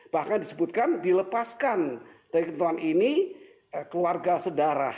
bahkan disebutkan dilepaskan dari ketentuan ini keluarga sedarah